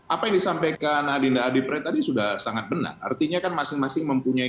apa yang disampaikan adinda adipre tadi sudah sangat benar artinya kan masing masing mempunyai